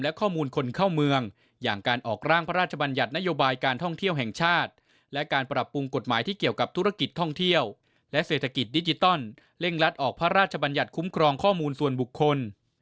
และการปรับปรุงกฎหมายที่เกี่ยวกับธุรกิจท่องเที่ยวและเศรษฐกิจดิจิตอลเล่งรัดออกพระราชบัญญัติคุ้มครองข้อมูลส่วนบุคคล